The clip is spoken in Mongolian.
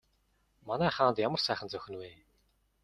Манай хаанд ямар сайхан зохино вэ?